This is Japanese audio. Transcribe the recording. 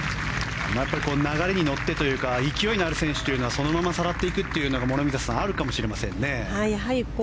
流れに乗ってというか勢いのある選手はそのままさらっていくというのが諸見里さんあるかもしれませんね。